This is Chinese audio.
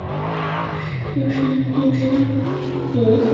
世界各国在日本水俣病事件后逐渐开始了解汞的危害。